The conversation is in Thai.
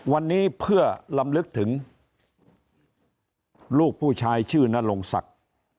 วันนี้เพื่อลำลึกถึงลูกผู้ชายชื่อนรงศักดิ์